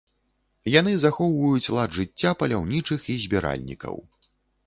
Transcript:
Яны захоўваюць лад жыцця паляўнічых і збіральнікаў.